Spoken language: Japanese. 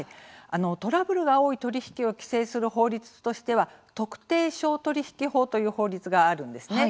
トラブルが多い取引を規制する法律としては特定商取引法という法律があるんですね。